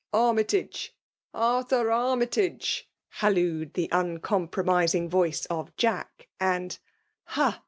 Armytage !— ^Arthur Armytage !'' hallooed the ustcompromising voice of Jack ; and '' Ha